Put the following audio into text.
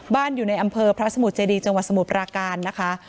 อยู่ในอำเภอพระสมุทรเจดีจังหวัดสมุทรปราการนะคะ